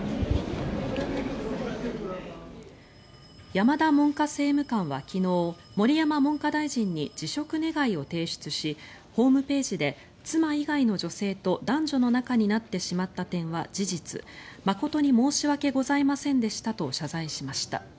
山田文科政務官は昨日盛山文科大臣に辞職願を提出しホームページで妻以外の女性と男女の仲になってしまった点は事実誠に申し訳ございませんでしたと謝罪しました。